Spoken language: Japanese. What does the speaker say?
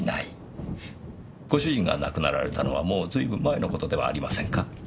ご主人が亡くなられたのはもう随分前の事ではありませんか？